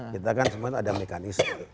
kita kan semua ada mekanisme